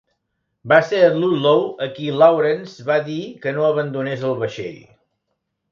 Va ser a Ludlow a qui Lawrence va dir que no abandonés el vaixell.